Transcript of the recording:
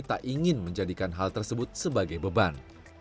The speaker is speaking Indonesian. tak ingin menjadikan hal tersebut sebagai beban